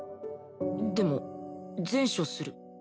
でも善処する。